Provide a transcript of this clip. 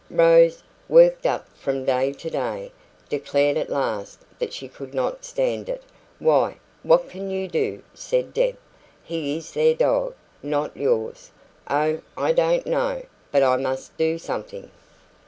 Rose, worked up from day to day, declared at last that she could not stand it. "Why, what can you do?" said Deb. "He is their dog, not yours." "Oh, I don't know; but I must do something."